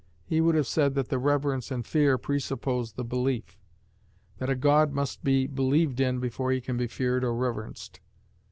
He would have said that the reverence and fear presuppose the belief: that a God must be believed in before he can be feared or reverenced.